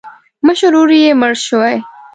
مشر ورور یې مړ شوی.